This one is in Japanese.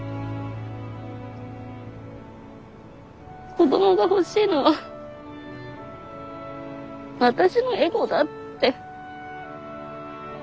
子どもが欲しいのは私のエゴだって。